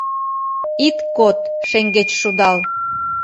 Ит код шеҥгеч шудал.